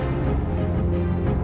aku akan menangkanmu